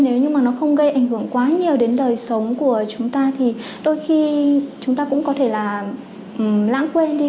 nếu như mà nó không gây ảnh hưởng quá nhiều đến đời sống của chúng ta thì đôi khi chúng ta cũng có thể là lãng quên đi